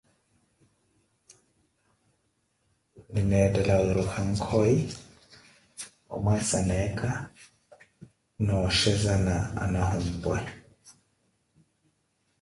Nineetthela wiiruka nkoy, omweesa neeka na oshezana anahumpwe.